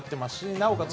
なおかつ